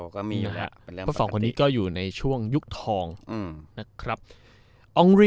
ก็มีนะฮะเพราะสองคนนี้ก็อยู่ในช่วงยุคทองอืมนะครับองค์